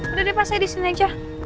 udah deh pak saya di sini aja